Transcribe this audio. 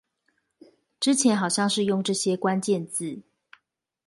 之前好像是用這些關鍵字